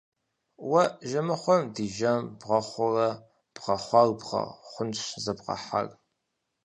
Уэ жэмыхъуэм ди жэм бгъэхъуурэ, бгъэхъуар бгъэ хъунщ зэбгъэхьар!